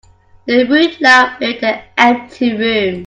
The rude laugh filled the empty room.